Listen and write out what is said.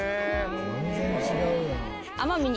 全然違うやん。